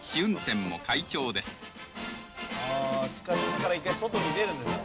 ああ地下鉄から一回外に出るんですね